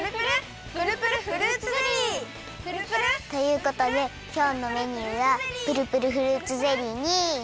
ということできょうのメニューはプルプルフルーツゼリーに。